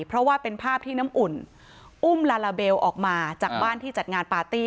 เพราะว่าเป็นภาพที่น้ำอุ่นอุ้มลาลาเบลออกมาจากบ้านที่จัดงานปาร์ตี้